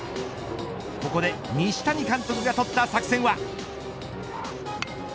ここで西谷監督がとった作戦は。